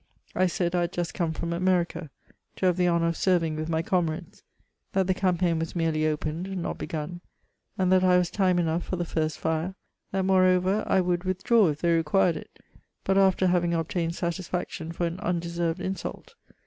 I said I had just come from Ame rica, to have the honour of serving with my ccmirades ; that the campaign was merely opened, not begun ; and that I waa time enough for the first fire ; that, moreover, I would with draw if they required it, but after having obtained sa^faetion for an undeserved insult.